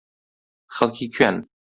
خەڵکی کوێن؟